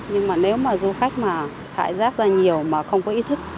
nhưng mà nếu mà du khách mà thải rác ra nhiều mà không có ý thức